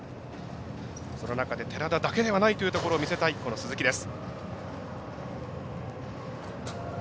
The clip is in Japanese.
その中で、寺田だけではないというところを見せたい鈴木です。